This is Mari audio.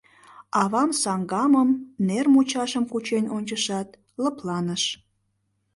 Авам саҥгамым, нер мучашым кучен ончышат, лыпланыш.